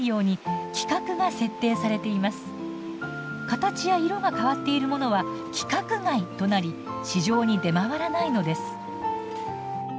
形や色が変わっているものは「規格外」となり市場に出回らないのです。